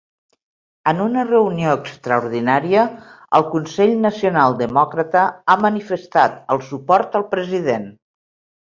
En una reunió extraordinària, el consell nacional demòcrata ha manifestat el suport al president.